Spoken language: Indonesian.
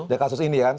dari kasus ini kan